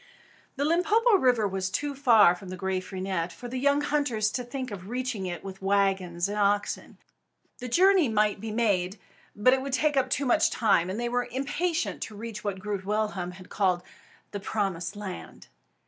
The Limpopo River was too far from Graaf Reinet for the young hunters to think of reaching it with wagons and oxen. The journey might be made, but it would take up too much time; and they were impatient to reach what Groot Willem had long called "The Promised Land."